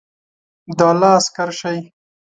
د الله عسکر شئ!